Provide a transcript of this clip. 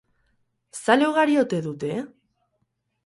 Zale ugari ote dute?